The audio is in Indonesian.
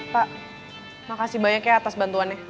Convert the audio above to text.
pak terima kasih banyak ya atas bantuannya